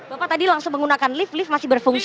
bapak tadi langsung menggunakan lift lift masih berfungsi